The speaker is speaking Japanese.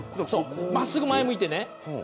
まっすぐ前を向いてね。